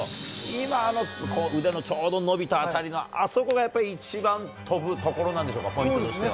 今、腕のちょうど伸びたあたりが、あそこがやっぱり、一番飛ぶところなんでしょうか、ポイントとしては。